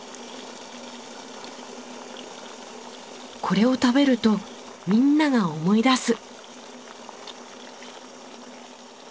これを食べるとみんなが思い出す。